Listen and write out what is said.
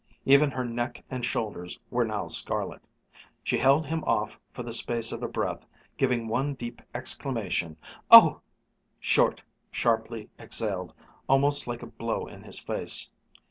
Even her neck and shoulders were now scarlet. She held him off for the space of a breath, giving one deep exclamation, "Oh!" short, sharply exhaled, almost like a blow in his face.